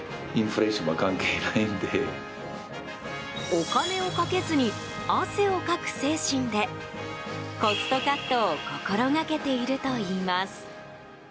お金をかけずに汗をかく精神でコストカットを心がけているといいます。